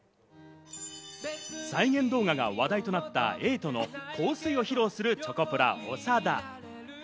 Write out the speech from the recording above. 再現動画が話題となった瑛人の『香水』を披露するチョコプラ・長田。